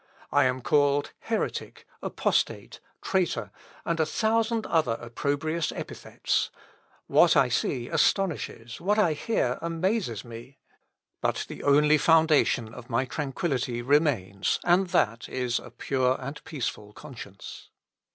I am called heretic, apostate, traitor, and a thousand other opprobrious epithets; what I see astonishes, what I hear amazes me. But the only foundation of my tranquillity remains, and that is a pure and peaceful conscience.